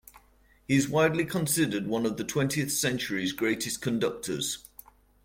He is widely considered one of the twentieth century's greatest conductors.